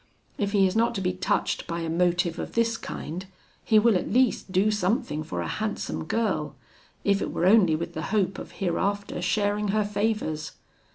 If he is not to be touched by a motive of this kind, he will at least do something for a handsome girl, if it were only with the hope of hereafter sharing her favours.